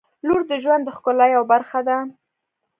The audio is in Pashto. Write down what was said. • لور د ژوند د ښکلا یوه برخه ده.